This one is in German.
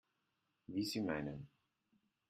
Wie Sie meinen.